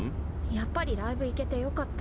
やっぱりライブ行けて良かった。